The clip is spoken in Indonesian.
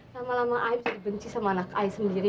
lama lama ai jadi benci sama anak ai sendiri